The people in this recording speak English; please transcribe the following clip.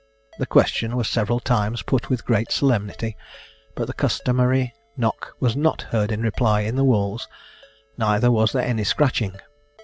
The question was several times put with great solemnity; but the customary knock was not heard in reply in the walls, neither was there any scratching.